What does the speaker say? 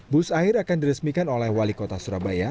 bus air akan diresmikan oleh wali kota surabaya